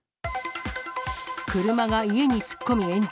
車が家に突っ込み炎上。